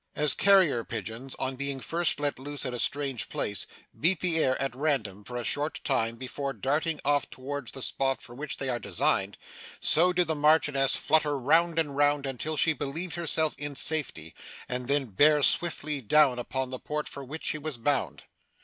As carrier pigeons, on being first let loose in a strange place, beat the air at random for a short time before darting off towards the spot for which they are designed, so did the Marchioness flutter round and round until she believed herself in safety, and then bear swiftly down upon the port for which she was bound.